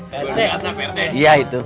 pak rt atap pak rt